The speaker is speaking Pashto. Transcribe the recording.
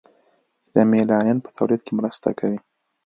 چې د میلانین په تولید کې مرسته کوي.